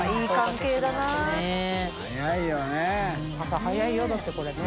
瓩い茲諭朝早いよだってこれね。